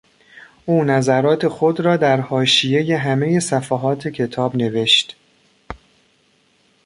او نظرات خود را در حاشیهی همهی صفحات کتاب نوشت.